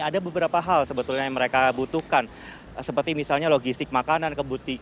ada beberapa hal sebetulnya yang mereka butuhkan seperti misalnya logistik makanan